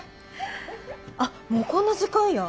あっもうこんな時間や。